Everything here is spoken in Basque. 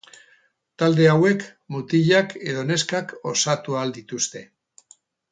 Talde hauek mutilak edo neskak osatu ahal dituzte.